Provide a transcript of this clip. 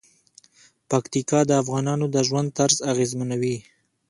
پکتیکا د افغانانو د ژوند طرز اغېزمنوي.